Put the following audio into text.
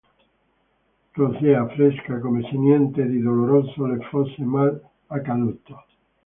Rosea, fresca, come se niente di doloroso le fosse mai accaduto.